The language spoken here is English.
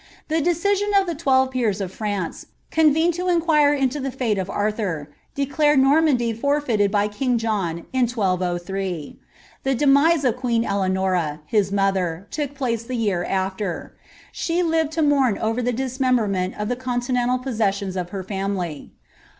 The cledsion of the twelve peers of France, roo vened lo inqalre into the fate of Arthur, declared Normandy forfeiwd bf king John, in 1203. The demise of queen Eleanora, his molber. tool place the year after: she lived to mourn over the dismemberment oflhi conliiicnlal possessions of her family.